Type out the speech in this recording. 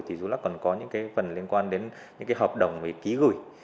thì dũ lắc còn có những phần liên quan đến những hợp đồng ký gửi